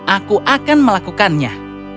aku akan melakukannya